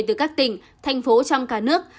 từ các tỉnh thành phố trong cả nước